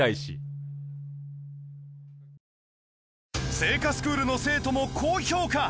製菓スクールの生徒も高評価